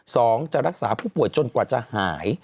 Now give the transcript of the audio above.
จะรักษาผู้ป่วยจนกว่าจะหาย